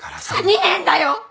２年だよ！？